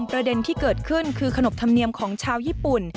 ประเด็นที่เกิดขึ้นคือขนบธรรมเนียมของชาวญี่ปุ่น